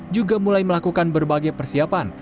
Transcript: juga mulai melakukan berbagai persiapan